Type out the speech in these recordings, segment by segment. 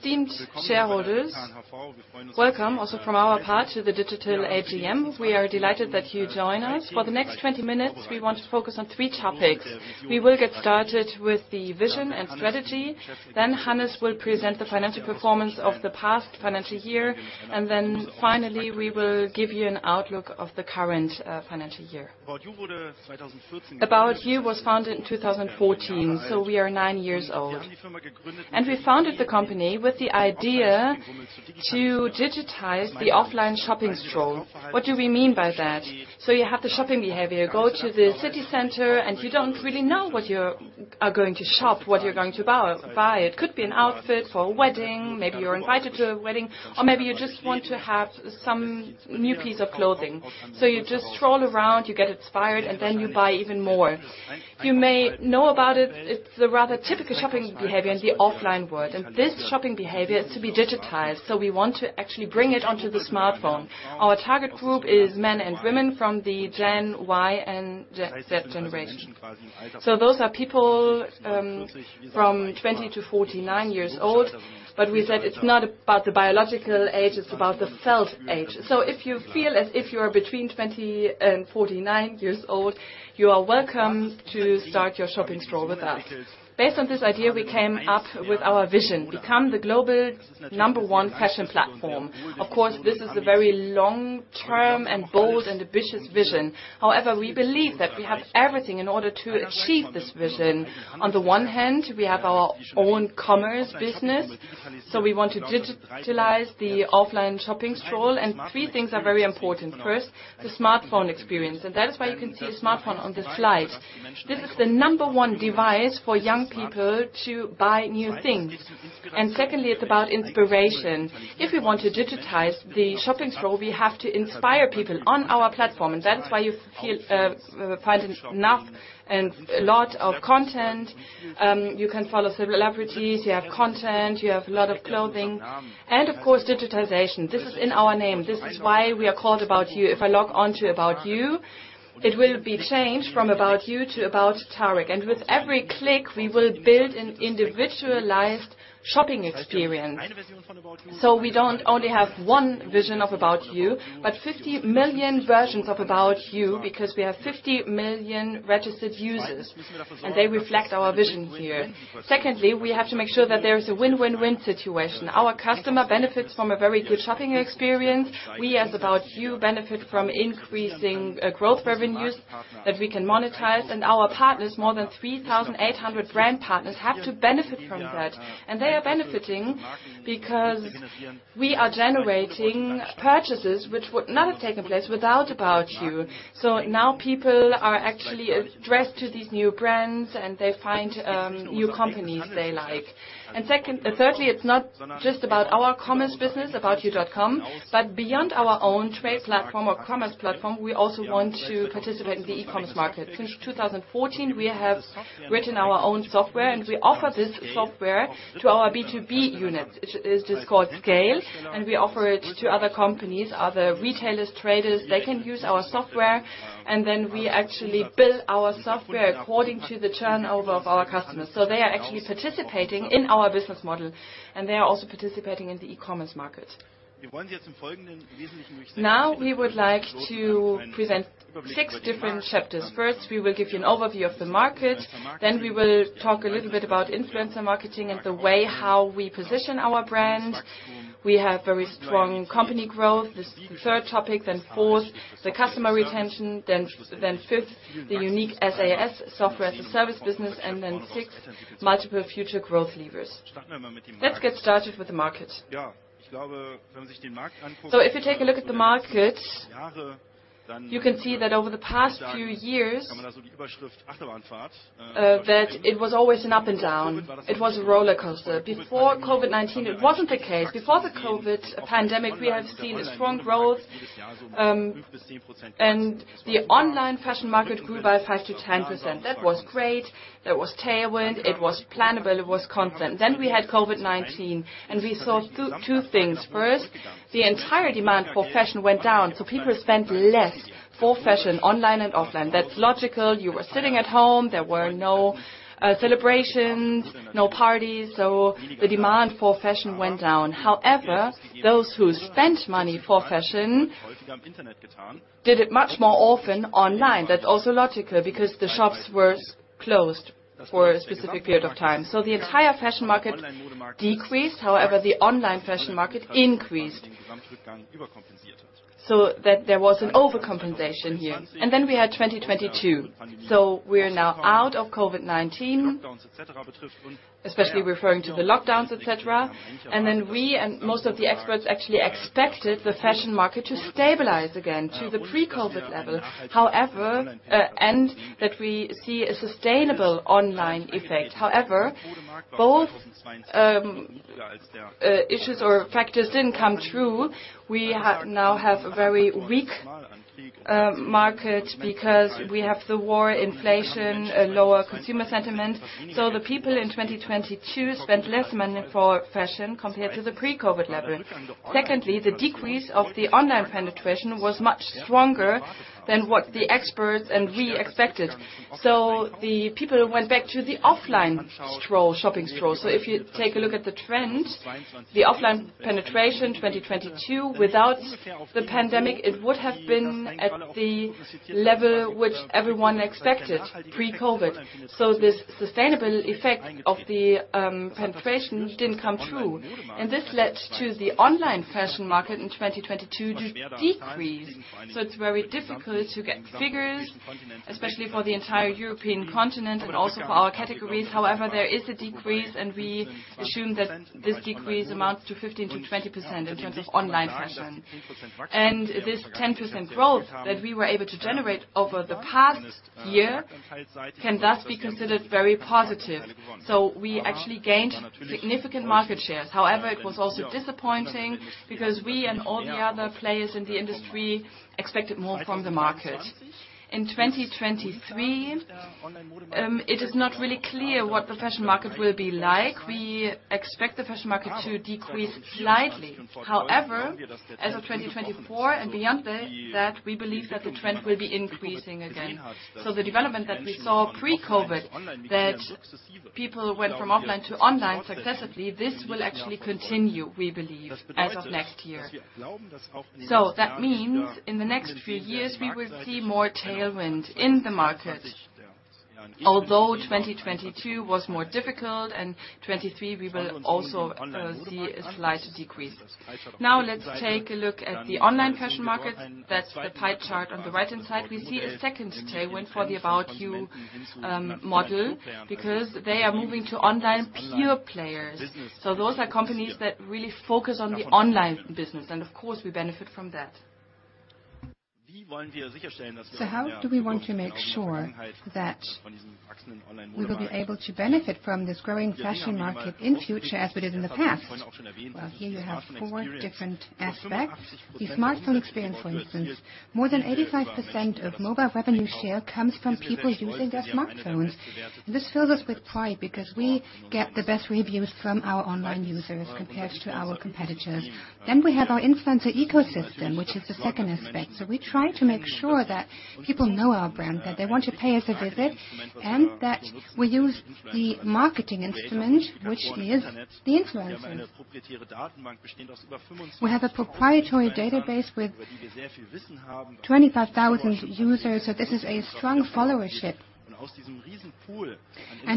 esteemed shareholders, welcome also from our part to the digital AGM. We are delighted that you join us. For the next 20 minutes, we want to focus on three topics. We will get started with the vision and strategy, then Hannes will present the financial performance of the past financial year, and then finally, we will give you an outlook of the current financial year. ABOUT YOU was founded in 2014, so we are nine years old. We founded the company with the idea to digitize the offline shopping stroll. What do we mean by that? You have the shopping behavior, go to the city center, and you don't really know what you're going to shop, what you're going to buy. It could be an outfit for a wedding, maybe you're invited to a wedding, or maybe you just want to have some new piece of clothing. You just stroll around, you get inspired, and then you buy even more. You may know about it's a rather typical shopping behavior in the offline world, and this shopping behavior is to be digitized, so we want to actually bring it onto the smartphone. Our target group is men and women from the Gen Y and Gen Z generation. Those are people from 20 to 49 years old, but we said it's not about the biological age, it's about the self age. If you feel as if you are between 20 and 49 years old, you are welcome to start your shopping stroll with us. Based on this idea, we came up with our vision: Become the global number one fashion platform. Of course, this is a very long-term and bold and ambitious vision. However, we believe that we have everything in order to achieve this vision. On the one hand, we have our own commerce business, so we want to digitalize the offline shopping stroll, and three things are very important. First, the smartphone experience, and that is why you can see a smartphone on the slide. This is the number one device for young people to buy new things. Secondly, it's about inspiration. If we want to digitize the shopping stroll, we have to inspire people on our platform, and that is why you find enough and a lot of content. You can follow celebrities, you have content, you have a lot of clothing, and of course, digitization. This is in our name. This is why we are called ABOUT YOU. If I log on to ABOUT YOU, it will be changed from ABOUT YOU to About Tarek. With every click, we will build an individualized shopping experience. We don't only have one vision of ABOUT YOU, but 50 million versions of ABOUT YOU, because we have 50 million registered users, and they reflect our vision here. Secondly, we have to make sure that there is a win-win-win situation. Our customer benefits from a very good shopping experience. We, as ABOUT YOU, benefit from increasing growth revenues that we can monetize, and our partners, more than 3,800 brand partners, have to benefit from that. They are benefiting because we are generating purchases which would not have taken place without ABOUT YOU. Now people are actually addressed to these new brands, and they find new companies they like. Second, and thirdly, it's not just about our commerce business, aboutyou.com, but beyond our own trade platform or commerce platform, we also want to participate in the e-commerce market. Since 2014, we have written our own software, and we offer this software to our B2B units, which is just called SCAYLE, and we offer it to other companies, other retailers, traders. They can use our software, and then we actually build our software according to the turnover of our customers. They are actually participating in our business model, and they are also participating in the e-commerce market. Now, we would like to present six different chapters. First, we will give you an overview of the market, then we will talk a little bit about influencer marketing and the way how we position our brand. We have very strong company growth. This is the third topic, then fourth, the customer retention, then fifth, the unique SaaS, Software as a Service business, then sixth, multiple future growth levers. Let's get started with the market. If you take a look at the market, you can see that over the past few years, that it was always an up and down. It was a rollercoaster. Before COVID-19, it wasn't the case. Before the COVID pandemic, we have seen a strong growth, the online fashion market grew by 5%-10%. That was great. That was tailwind, it was plannable, it was constant. We had COVID-19, we saw two things. First, the entire demand for fashion went down. People spent less for fashion, online and offline. That's logical. You were sitting at home. There were no celebrations, no parties. The demand for fashion went down. However, those who spent money for fashion did it much more often online. That's also logical, because the shops were closed for a specific period of time. The entire fashion market decreased, however, the online fashion market increased. There was an overcompensation here. We had 2022. We're now out of COVID-19, especially referring to the lockdowns, et cetera. We and most of the experts actually expected the fashion market to stabilize again to the pre-COVID level. However, and that we see a sustainable online effect. However, both issues or factors didn't come true. We now have a very weak-... market because we have the war, inflation, a lower consumer sentiment. The people in 2022 spent less money for fashion compared to the pre-COVID-19 level. Secondly, the decrease of the online penetration was much stronger than what the experts and we expected. The people went back to the offline stroll, shopping stroll. If you take a look at the trend, the offline penetration, 2022, without the pandemic, it would have been at the level which everyone expected pre-COVID-19. This sustainable effect of the penetration didn't come true, and this led to the online fashion market in 2022 to decrease. It's very difficult to get figures, especially for the entire European continent and also for our categories. However, there is a decrease, and we assume that this decrease amounts to 15%-20% in terms of online fashion. This 10% growth that we were able to generate over the past year, can thus be considered very positive. We actually gained significant market shares. However, it was also disappointing because we and all the other players in the industry expected more from the market. In 2023, it is not really clear what the fashion market will be like. We expect the fashion market to decrease slightly. However, as of 2024 and beyond that, we believe that the trend will be increasing again. The development that we saw pre-COVID, that people went from offline to online successively, this will actually continue, we believe, as of next year. That means, in the next few years, we will see more tailwind in the market. Although 2022 was more difficult, and 2023, we will also see a slight decrease. Now, let's take a look at the online fashion market. That's the pie chart on the right-hand side. We see a second tailwind for the ABOUT YOU model, because they are moving to online pure players. Those are companies that really focus on the online business, and of course, we benefit from that. How do we want to make sure that we will be able to benefit from this growing fashion market in future, as we did in the past? Well, here you have four different aspects. The smartphone experience, for instance. More than 85% of mobile revenue share comes from people using their smartphones. This fills us with pride because we get the best reviews from our online users compared to our competitors. We have our influencer ecosystem, which is the second aspect. We try to make sure that people know our brand, that they want to pay us a visit, and that we use the marketing instrument, which is the influencers. We have a proprietary database with 25,000 users, so this is a strong followership.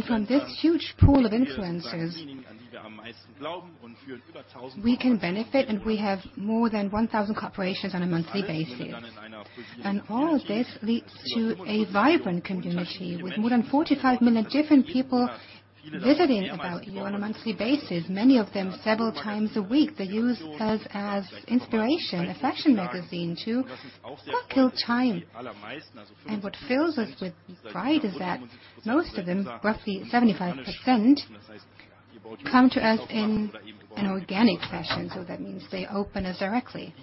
From this huge pool of influencers, we can benefit, and we have more than 1,000 corporations on a monthly basis. All of this leads to a vibrant community, with more than 45 million different people visiting ABOUT YOU on a monthly basis, many of them several times a week. They use us as inspiration, a fashion magazine to, well, kill time. What fills us with pride is that most of them, roughly 75%, come to us in an organic fashion, so that means they open us directly.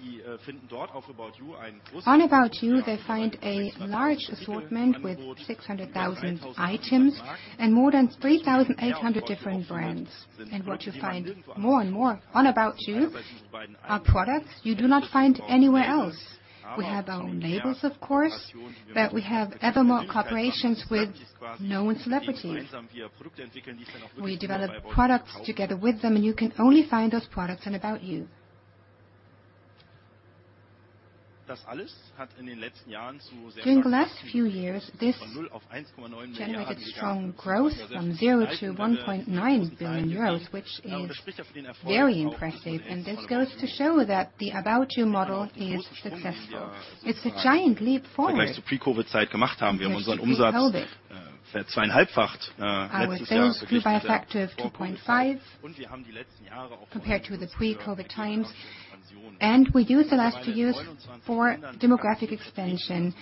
On ABOUT YOU, they find a large assortment with 600,000 items and more than 3,800 different brands. What you find more and more on ABOUT YOU are products you do not find anywhere else. We have our own labels, of course, but we have ever more collaborations with known celebrities. We develop products together with them, you can only find those products on ABOUT YOU. During the last few years, this generated strong growth from 0 to 1.9 billion euros, which is very impressive. This goes to show that the ABOUT YOU model is successful. It's a giant leap forward. Our sales grew by a factor of 2.5, compared to the pre-COVID-19 times. We used the last two years for demographic expansion,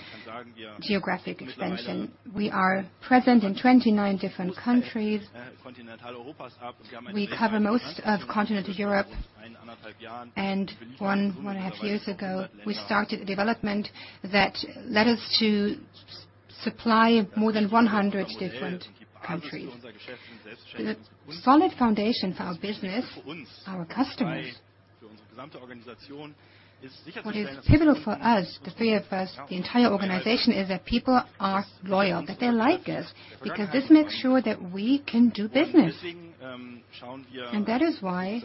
geographic expansion. We are present in 29 different countries. We cover most of continental Europe. One and a half years ago, we started a development that led us to supply more than 100 different countries. The solid foundation for our business, our customers. What is pivotal for us, the three of us, the entire organization, is that people are loyal, that they like us, because this makes sure that we can do business. That is why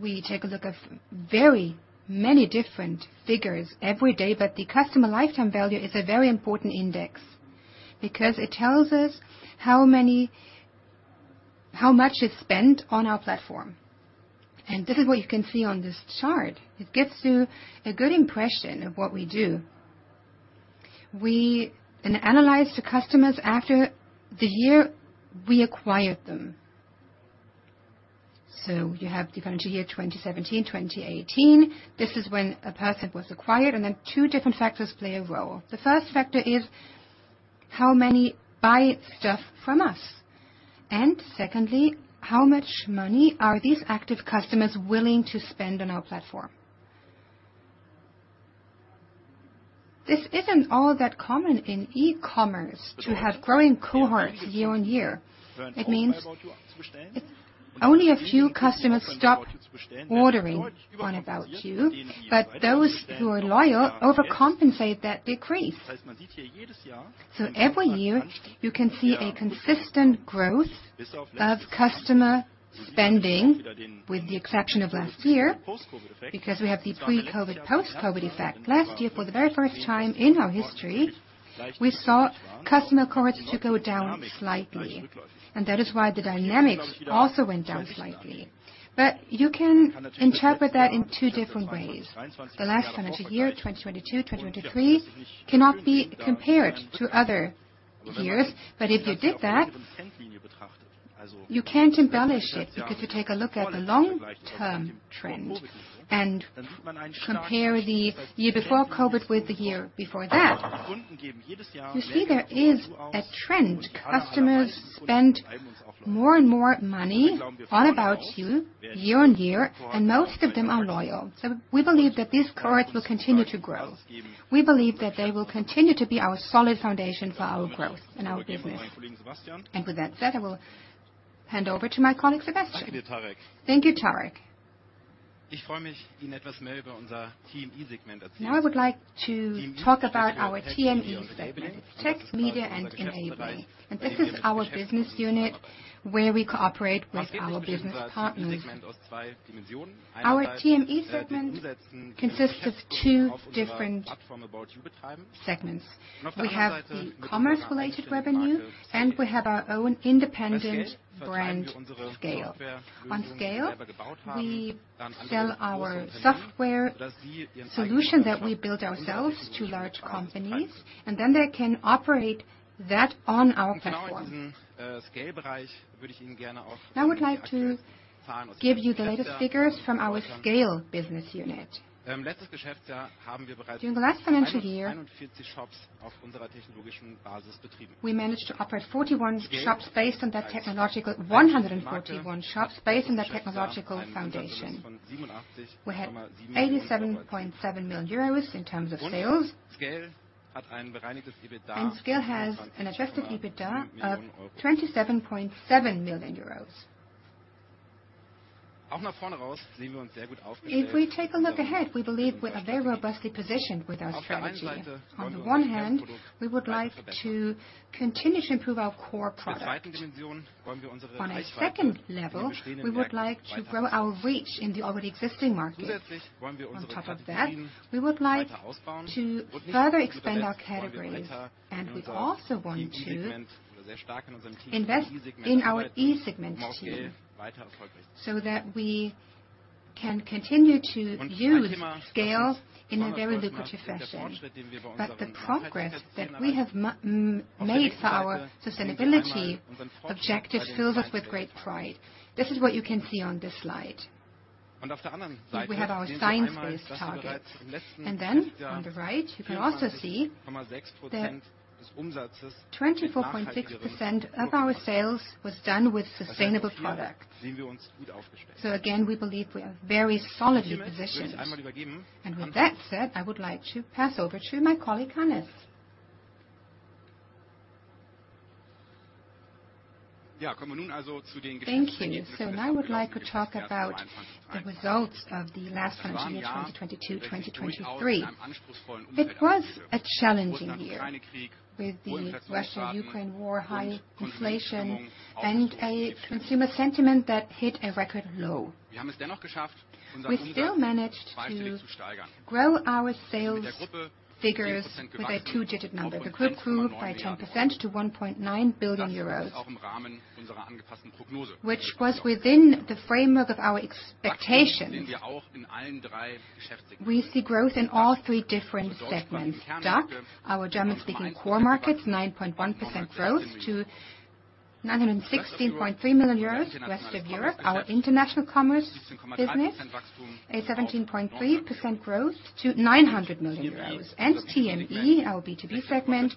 we take a look at very many different figures every day. The customer lifetime value is a very important index because it tells us how much is spent on our platform. This is what you can see on this chart. It gets to a good impression of what we do. We analyze the customers after the year we acquired them. You have the calendar year 2017, 2018. This is when a person was acquired, and then two different factors play a role. The first factor is.... how many buy stuff from us? Secondly, how much money are these active customers willing to spend on our platform? This isn't all that common in e-commerce, to have growing cohorts year-on-year. It means only a few customers stop ordering on ABOUT YOU, those who are loyal overcompensate that decrease. Every year, you can see a consistent growth of customer spending, with the exception of last year, because we have the pre-COVID-19, post-COVID-19 effect. Last year, for the very first time in our history, we saw customer cohorts to go down slightly, that is why the dynamics also went down slightly. You can interpret that in two different ways. The last financial year, 2022, 2023, cannot be compared to other years. If you did that, you can't embellish it, because you take a look at the long-term trend and compare the year before COVID-19 with the year before that. You see there is a trend. Customers spend more and more money on ABOUT YOU year-on-year, and most of them are loyal. We believe that this cohort will continue to grow. We believe that they will continue to be our solid foundation for our growth and our business. With that said, I will hand over to my colleague, Sebastian. Thank you, Tarek. Now, I would like to talk about our TME segment. It's Tech, Media, and Enabling, and this is our business unit where we cooperate with our business partners. Our TME segment consists of two different segments. We have the commerce-related revenue, and we have our own independent brand, SCAYLE. On SCAYLE, we sell our software solution that we built ourselves to large companies, and then they can operate that on our platform. I would like to give you the latest figures from our SCAYLE business unit. During the last financial year, we managed to operate 141 shops based on that technological foundation. We had 87.7 million euros in terms of sales. SCAYLE has an adjusted EBITDA of 27.7 million euros. If we take a look ahead, we believe we are very robustly positioned with our strategy. On the one hand, we would like to continue to improve our core product. On a second level, we would like to grow our reach in the already existing markets. On top of that, we would like to further expand our categories. We also want to invest in our SCAYLE segment team, so that we can continue to use SCAYLE in a very lucrative fashion. The progress that we have made for our sustainability objective fills us with great pride. This is what you can see on this slide. We have our science-based targets. On the right, you can also see that 24.6% of our sales was done with sustainable products. Again, we believe we are very solidly positioned. With that said, I would like to pass over to my colleague, Hannes. Thank you. Now I would like to talk about the results of the last financial year, 2022, 2023. It was a challenging year with the Russia-Ukraine war, high inflation, and a consumer sentiment that hit a record low. We still managed to grow our sales figures with a two-digit number. The group grew by 10% to 1.9 billion euros, which was within the framework of our expectations. We see growth in all three different segments. DACH, our German-speaking core markets, 9.1% growth to 916.3 million euros. Rest of Europe, our international commerce business, a 17.3% growth to 900 million euros. TME, our B2B segment,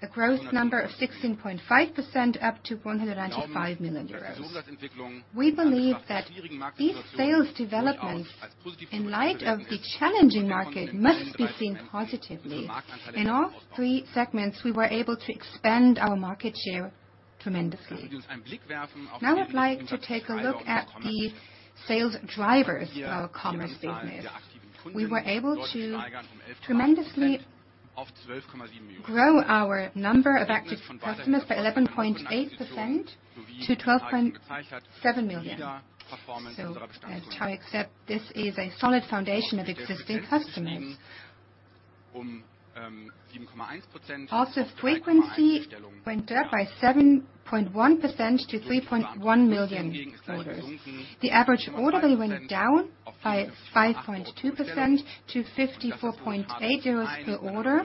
a growth number of 16.5% up to 195 million euros. We believe that these sales developments, in light of the challenging market, must be seen positively. In all three segments, we were able to expand our market share tremendously. I'd like to take a look at the sales drivers of our commerce business. We were able to tremendously grow our number of active customers by 11.8% to 12.7 million. As Tarek said, this is a solid foundation of existing customers. Also, frequency went up by 7.1% to 3.1 million orders. The average order value went down by 5.2% to 54.8 euros per order.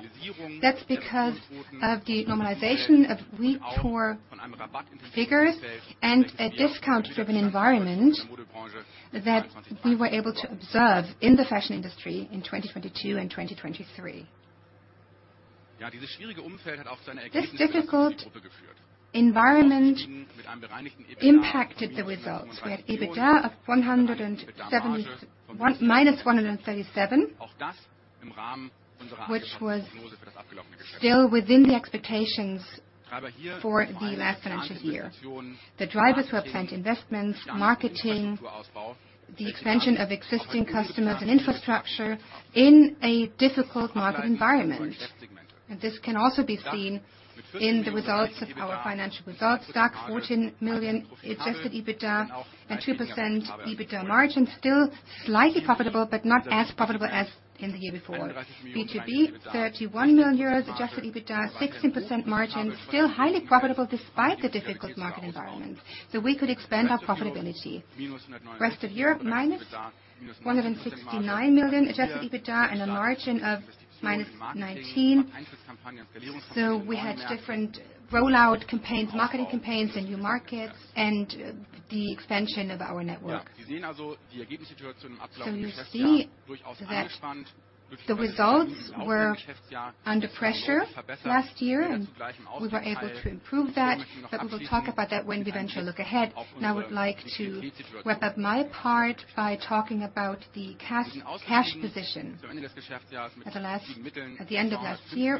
That's because of the normalization of weak poor figures and a discount-driven environment that we were able to observe in the fashion industry in 2022 and 2023. This difficult environment impacted the results. We had EBITDA of -EUR 137, which was still within the expectations for the last financial year. The drivers were up-front investments, marketing, the expansion of existing customers and infrastructure in a difficult market environment. This can also be seen in the results of our financial results. DACH, 14 million adjusted EBITDA and 2% EBITDA margin, still slightly profitable, but not as profitable as in the year before. B2B, 31 million euros adjusted EBITDA, 16% margin, still highly profitable despite the difficult market environment, we could expand our profitability. Rest of Europe, -169 million adjusted EBITDA, and a margin of -19%. We had different rollout campaigns, marketing campaigns in new markets, and the expansion of our network. You see that the results were under pressure last year, and we were able to improve that, but we will talk about that when we eventually look ahead. I would like to wrap up my part by talking about the cash position. At the end of last year,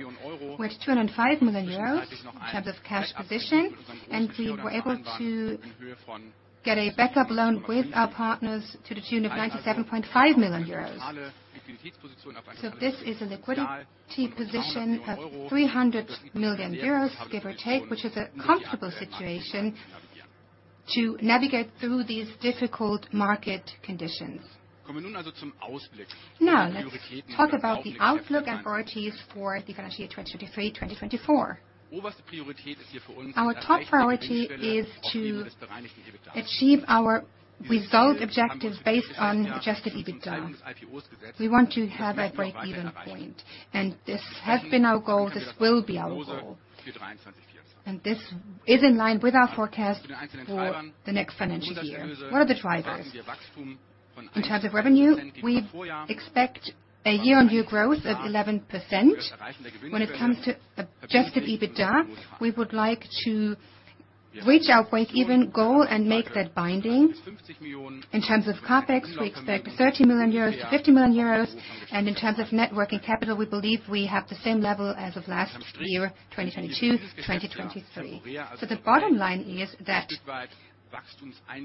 we had 205 million euros in terms of cash position, and we were able to get a backup loan with our partners to the tune of 97.5 million euros. This is a liquidity position of 300 million euros, give or take, which is a comfortable situation to navigate through these difficult market conditions. Now, let's talk about the outlook and priorities for the financial year 2023, 2024. Our top priority is to achieve our result objectives based on adjusted EBITDA. We want to have a break-even point, and this has been our goal, this will be our goal. This is in line with our forecast for the next financial year. What are the drivers? In terms of revenue, we expect a year-on-year growth of 11%. When it comes to adjusted EBITDA, we would like to reach our break-even goal and make that binding. In terms of CapEx, we expect 30 million-50 million euros, and in terms of net working capital, we believe we have the same level as of last year, 2022, 2023. The bottom line is that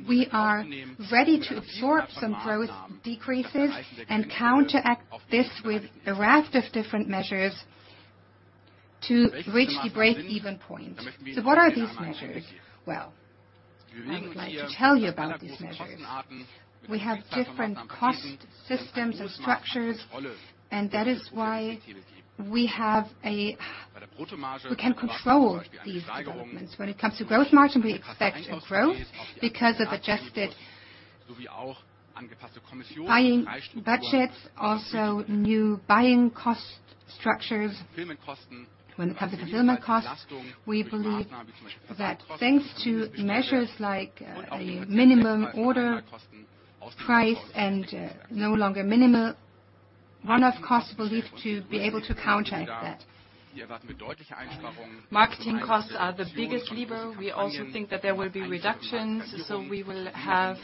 we are ready to absorb some growth decreases and counteract this with a raft of different measures to reach the break-even point. What are these measures? Well, I would like to tell you about these measures. We have different cost systems and structures, and that is why we can control these developments. When it comes to growth margin, we expect a growth because of adjusted buying budgets, also new buying cost structures. When it comes to fulfillment costs, we believe that thanks to measures like a minimum order price and no longer minimal one-off costs, we believe to be able to counteract that. Marketing costs are the biggest lever. We also think that there will be reductions, so we will have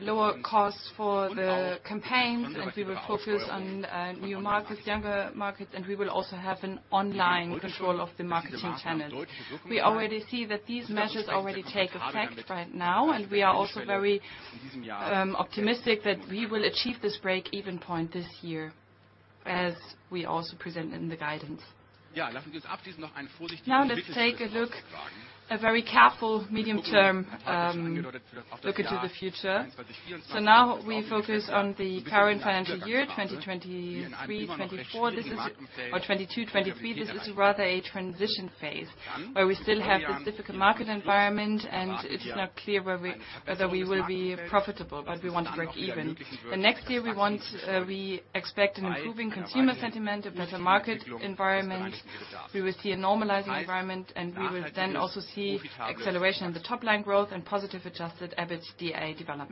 lower costs for the campaigns, and we will focus on new markets, younger markets, and we will also have an online control of the marketing channels. We already see that these measures already take effect right now, and we are also very optimistic that we will achieve this break-even point this year, as we also present in the guidance. Let's take a look, a very careful medium-term look into the future. Now we focus on the current financial year, 2023, 2024. or 2022, 2023, this is rather a transition phase, where we still have this difficult market environment. It is not clear whether we will be profitable, but we want to break even. Next year, we expect an improving consumer sentiment, a better market environment. We will see a normalizing environment, we will then also see acceleration of the top-line growth and positive adjusted EBITDA development.